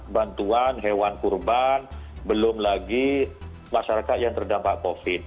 bantuan hewan kurban belum lagi masyarakat yang terdampak covid